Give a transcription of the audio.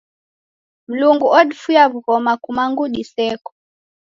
Mlungu odifuya w'ughoma kumangu diseko.